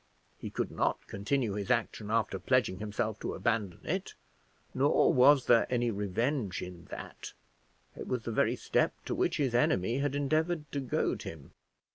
He could not continue his action after pledging himself to abandon it; nor was there any revenge in that; it was the very step to which his enemy had endeavoured to goad him!